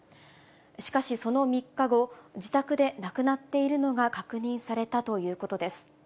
しかしその３日後、自宅で亡くなっているのが確認されたということです。